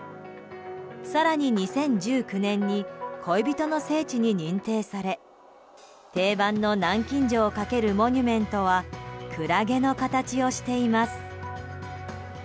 更に、２０１９年に恋人の聖地に認定され定番の南京錠をかけるモニュメントはクラゲの形をしています。